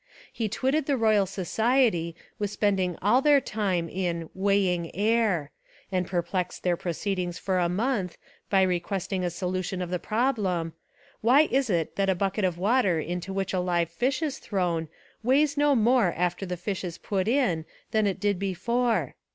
He twitted the Royal Society with spending all 275 Essays and Literary Studies their time in "weighing air"; and perplexed their proceedings for a month by requesting a solution of the problem, "Why is it that a bucket of water into which a live fish is thrown weighs no more after the fish is put in than it did before?"